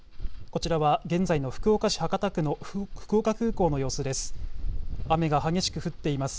こちらは現在の福岡市博多区の福岡空港の様子です。